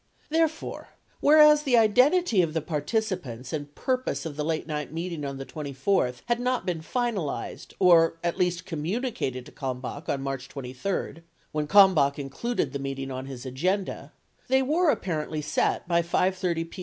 73 Therefore, whereas the identity of the participants and purpose of the late night meeting on the 24th had not been finalized or at least communicated to Kalmbach on March 23 — when Kalmbach included the meeting on his agenda — they were apparently set by 5 :30 p.